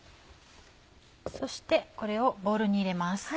そしてこれをボウルに入れます。